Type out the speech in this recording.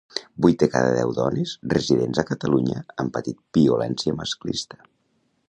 Vuit de cada deu dones residents a Catalunya han patit violència masclista